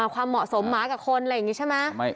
ความเหมาะสมหมากับคนอะไรอย่างนี้ใช่ไหม